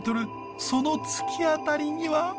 その突き当たりには。